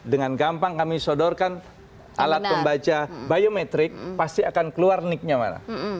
dengan gampang kami sodorkan alat pembaca biometrik pasti akan keluar niknya mana